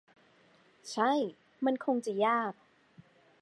ใช่ มันคงจะยาก